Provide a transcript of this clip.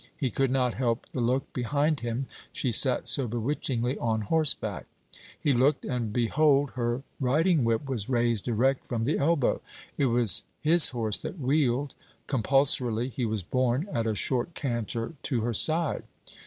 He could not help the look behind him, she sat so bewitchingly on horseback! He looked, and behold, her riding whip was raised erect from the elbow. It was his horse that wheeled; compulsorily he was borne at a short canter to her side.